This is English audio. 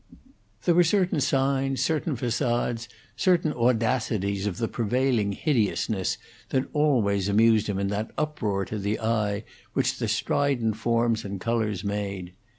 There were certain signs, certain facades, certain audacities of the prevailing hideousness that always amused him in that uproar to the eye which the strident forms and colors made.